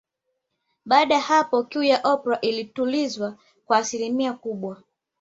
Baada ya hapo kiu ya Oprah ilitulizwa kwa asilimia kubwa